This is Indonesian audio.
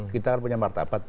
kita punya martabat